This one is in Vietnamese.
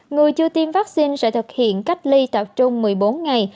người chưa tiêm vaccine sẽ thực hiện cách ly tập trung một mươi bốn ngày